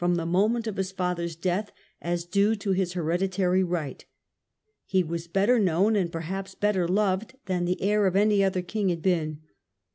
^^e moment of his father's death, as due to his hereditary right He was better known, and perhaps better loved, than the heir of any other king had been.